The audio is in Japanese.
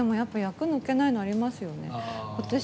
役が抜けないのはありますよね。